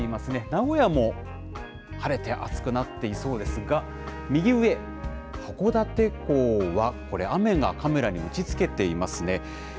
名古屋も晴れて暑くなっていそうですが、右上、函館港はこれ、雨がカメラに打ちつけていますね。